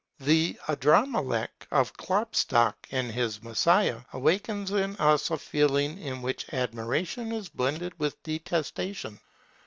The "Adramelech" of Klopstock (in his Messiah) awakens in us a feeling in which admiration is blended with detestation.